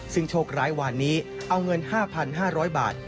ซึ่งโชคร้ายวานนี้เอาเงิน๕๕๐๐บาท